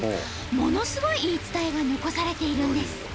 ものすごい言い伝えが残されているんです。